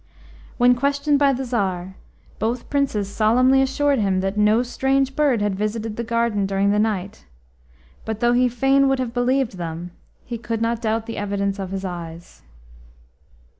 When questioned by the Tsar, both Princes solemnly assured him that no strange bird had visited the garden during the night, but though he fain would have believed them, he could not doubt the evidence of his eyes.